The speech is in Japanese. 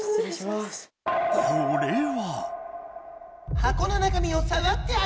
これは？